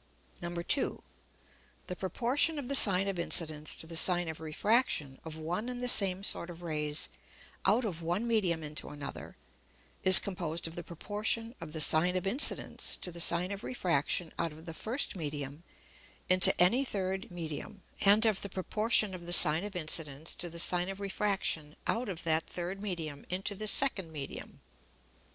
2. The Proportion of the Sine of Incidence to the Sine of Refraction of one and the same sort of Rays out of one Medium into another, is composed of the Proportion of the Sine of Incidence to the Sine of Refraction out of the first Medium into any third Medium, and of the Proportion of the Sine of Incidence to the Sine of Refraction out of that third Medium into the second Medium.